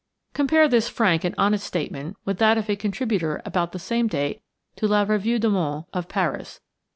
Compare this frank and honest statement with that of a contributor, about the same date, to La Revue du Monde, of Paris.